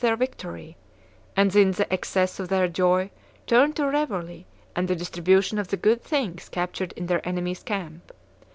2 5 victory, and in the excess of their joy, turned to revelry and the distribution of the good things captured in. their enemy's camp.